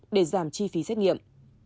để giảm chi phí xét nghiệm